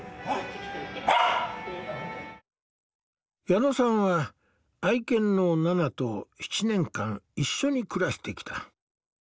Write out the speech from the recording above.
矢野さんは愛犬のナナと７年間一緒に暮らしてきた。